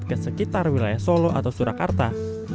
ke sekitar wilayah solo atau surakarta